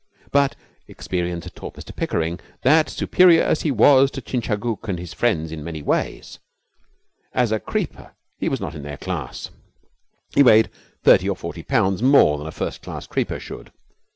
But experience had taught Mr Pickering that, superior as he was to Chingachgook and his friends in many ways, as a creeper he was not in their class. He weighed thirty or forty pounds more than a first class creeper should.